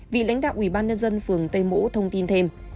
vị lãnh đạo ủy ban nhân dân phường tây mỗ thông tin thêm